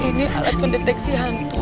ini alat mendeteksi hantu